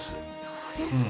そうですか。